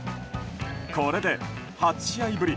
これで８試合ぶり